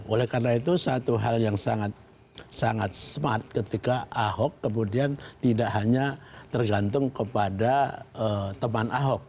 oleh karena itu satu hal yang sangat smart ketika ahok kemudian tidak hanya tergantung kepada teman ahok